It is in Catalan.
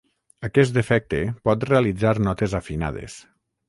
Aquest efecte pot realitzar notes afinades.